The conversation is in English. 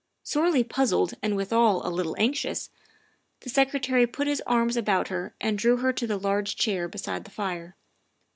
Sorely puzzled and withal a little anxious, the Secretary put his arms about her and drew her to the large chair beside the fire.